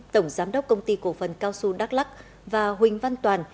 tổng giám đốc công ty cổ phần cao xu đắk lắc và huỳnh văn toàn